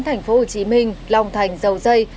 tp hcm long thành dầu dây